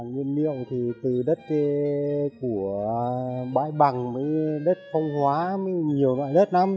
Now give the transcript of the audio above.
nguyên liệu thì từ đất của bãi bằng đất phong hóa nhiều loại đất lắm